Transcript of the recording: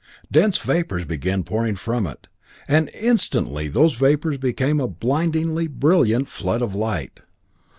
Dense vapors began pouring from it, and instantly those vapors became a blindingly brilliant flood of light.